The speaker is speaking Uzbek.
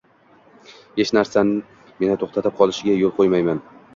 hech narsa meni to‘xtatib qolishiga yo‘l qo‘ymayman